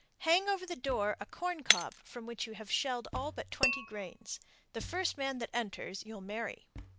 Hang over the door a corn cob from which you have shelled all but twenty grains. The first man that enters you'll marry.